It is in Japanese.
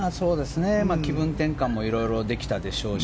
気分転換もいろいろできたでしょうし。